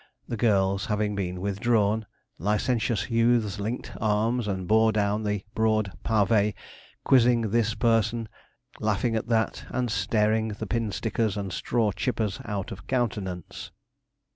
The girls having been withdrawn, licentious youths linked arms, and bore down the broad pavé, quizzing this person, laughing at that, and staring the pin stickers and straw chippers out of countenance.